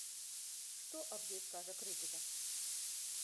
Што аб ёй скажа крытыка?